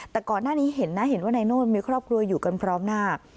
แต่ก่อนหน้านี้เห็นนะเห็นว่านายโนธมีครอบครัวอยู่กันพร้อมหน้า